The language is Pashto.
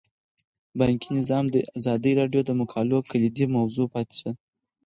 بانکي نظام د ازادي راډیو د مقالو کلیدي موضوع پاتې شوی.